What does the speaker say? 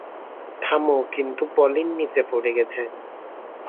থামো, কিন্তু পলিন নিচে পড়ে গেছে।